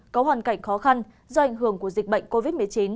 có hoàn cảnh khó khăn do ảnh hưởng của dịch bệnh covid một mươi chín